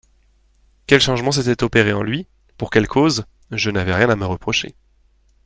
Quel changement s'était opéré en lui ? Pour quelle cause ? Je n'avais rien à me reprocher.